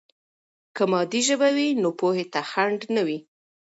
که مادي ژبه وي، نو پوهې ته خنډ نه وي.